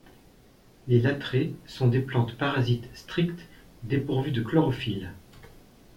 Les lathrées sont des plantes parasites strictes dépourvues de chlorophylle.